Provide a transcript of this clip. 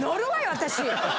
私！